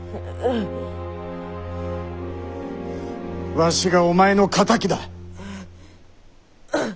わしがお前の敵だ！